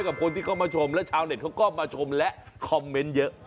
กับคนที่เข้ามาชมและชาวเน็ตเขาก็มาชมและคอมเมนต์เยอะ